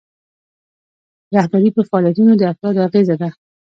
رهبري په فعالیتونو د افرادو اغیزه ده.